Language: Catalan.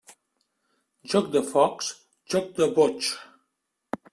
Joc de focs, joc de boigs.